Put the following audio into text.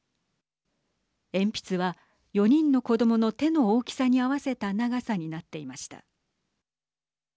鉛筆は、４人の子どもの手の大きさに合わせた長さになっていました。